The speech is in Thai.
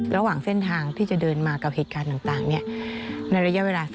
ระหว่างเส้นทางที่จะเดินมากับเหตุการณ์ต่างในระยะเวลา